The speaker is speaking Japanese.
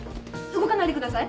動かないでください。